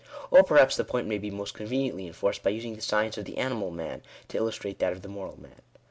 Or perhaps the point may be most conveniently enforced, by using the science of the animal man, to illustrate that of the moral man.